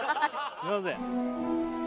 すいません